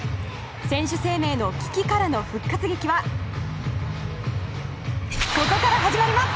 選手生命の危機からの復活劇はここから始まります。